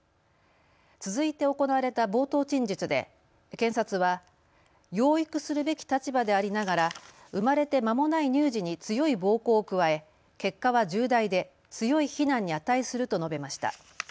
続いて行われた冒頭陳述で検察は養育するべき立場でありながら生まれてまもない乳児に強い暴行を加え、結果は重大で強い非難に値すると述べました。